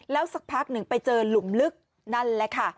แล้วสักพักหนึ่งไปเจอหลุมลึกนั่นแหละค่ะ